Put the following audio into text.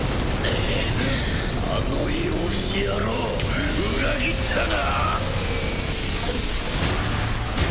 あの養子野郎裏切ったな！